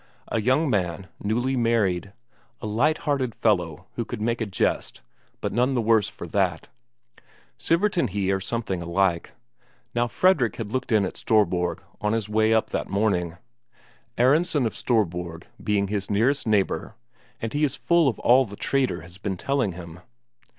A young man, newly married, a light hearted fellow who could make a jest, but none the worse for that; Sivert and he are something alike. Now Fredrik had looked in at Storborg on his way up that morning, Aronsen of Storborg being his nearest neighbour, and he is full of all the trader has been telling him.